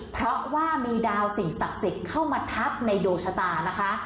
เพราะว่ามีดาวสิ่งศักดิ์สิทธิ์เข้ามาทับในดวงชะตานะคะ